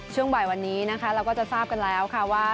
ช่วงบ่ายวันนี้นะคะเราก็จะทราบกันแล้วค่ะว่า